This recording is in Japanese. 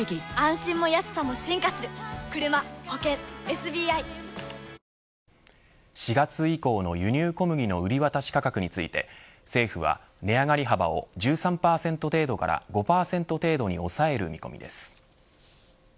ＳＵＮＴＯＲＹ４月以降の輸入小麦の売り渡し価格について政府は値上がり幅を１３％程度から５％程度に抑える見込みです。